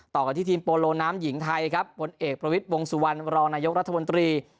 ต่อกันที่ทีมโปโลน้ำหญิงไทยครับผลเอกประวิทย์วงสุวรรณรองนายกรัฐมนตรี